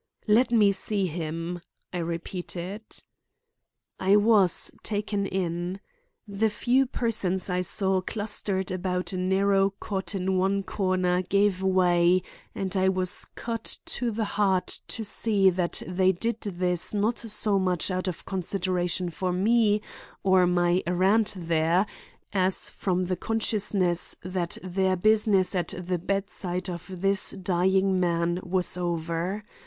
"Let me see him," I repeated. I was taken in. The few persons I saw clustered about a narrow cot in one corner gave way and I was cut to the heart to see that they did this not so much out of consideration for me or my errand there as from the consciousness that their business at the bedside of this dying man was over.